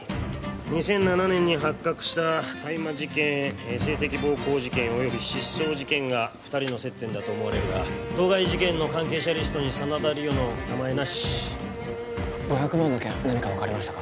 ２００７年に発覚した大麻事件性的暴行事件および失踪事件が二人の接点だと思われるが当該事件の関係者リストに真田梨央の名前なし５００万の件何か分かりましたか？